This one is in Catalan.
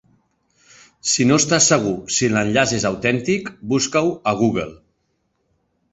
Si no estàs segur si l'enllaç és autèntic, busca-ho a Google.